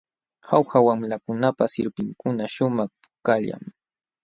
Jauja wamlakunapa sirpinkuna shumaq pukallam.